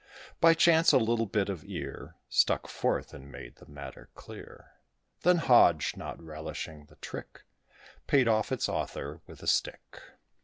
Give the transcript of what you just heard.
By chance, a little bit of ear Stuck forth, and made the matter clear. Then Hodge, not relishing the trick, Paid off its author with a stick.